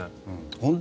本当？